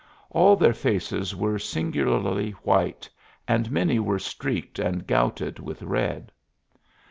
All their faces were singularly white and many were streaked and gouted with red.